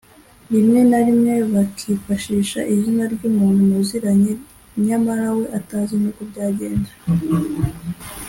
rimwe na rimwe bakifashisha izina ry’umuntu muziranye nyamara we atazi n’uko byagenze